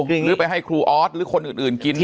หรือไปให้ครูออสหรือคนอื่นกิน